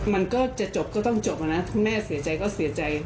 มันก็จะจบก็ต้องจบนะถ้าแม่เสียใจก็เสียใจ